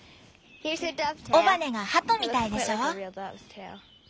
尾羽がハトみたいでしょ？